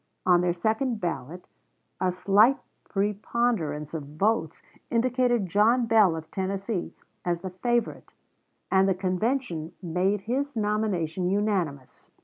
On their second ballot, a slight preponderance of votes indicated John Bell, of Tennessee, as the favorite, and the convention made his nomination unanimous.